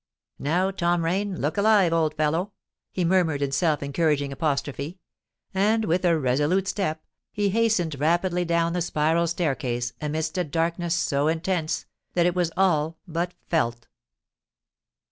"Now, Tom Rain, look alive, old fellow!" he murmured in self encouraging apostrophe; and, with a resolute step, he hastened rapidly down the spiral staircase, amidst a darkness so intense that it was all but felt!